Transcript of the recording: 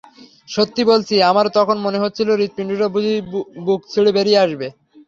সত্যি বলছি, আমার তখন মনে হচ্ছিল হৃৎপিণ্ডটা বুঝি বুক ছিঁড়ে বেরিয়ে আসবে।